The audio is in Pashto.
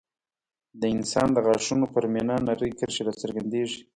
د انسان د غاښونو پر مینا نرۍ کرښې راڅرګندېږي.